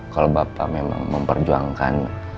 kalau bapak memang memperjuangkan